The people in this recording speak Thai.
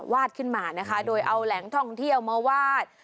ขึ้นมานะคะโดยเอาแหล่งท่องเที่ยวมาวาด